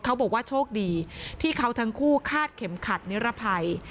เขาบอกว่าโชคดีที่เขาทั้งคู่คาดเข็มขัดนิรภัย